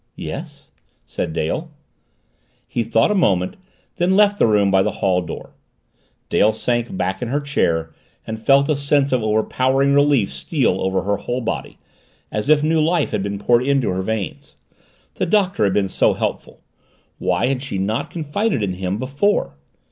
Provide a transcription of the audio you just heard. "Yes," said Dale. He thought a moment, then left the room by the hall door. Dale sank back in her chair and felt a sense of overpowering relief steal over her whole body, as if new life had been poured into her veins. The Doctor had been so helpful why had she not confided in him before?